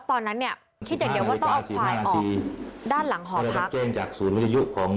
ตอนนั้นเนี่ยคิดเดียวจะต้องเอาควายออก